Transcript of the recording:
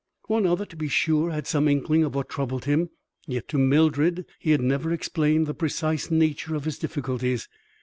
One other, to be sure, had some inkling of what troubled him, yet to Mildred he had never explained the precise nature of his difficulties.